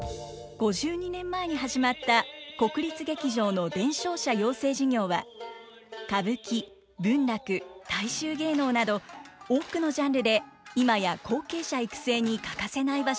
５２年前に始まった国立劇場の伝承者養成事業は歌舞伎文楽大衆芸能など多くのジャンルで今や後継者育成に欠かせない場所となっています。